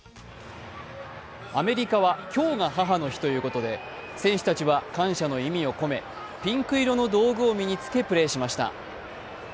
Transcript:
アメリカは今日が母の日ということで、選手たちは感謝の意味を込め、ピンク色の道具を身に着けプレーしました。